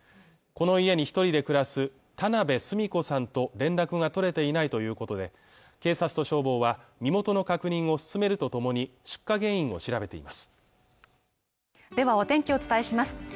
この家に一人で暮らす田辺寿美子さんと連絡が取れていないということで警察と消防は身元の確認を進めるとともに出火原因を調べていますではお天気お伝えします